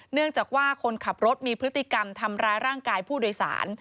เนื่องจากว่าคนขับรถมีพฤติกรรมทำร้ายร่างกายผู้โดยสาร